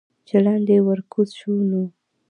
چې لاندې ورکوز شو نو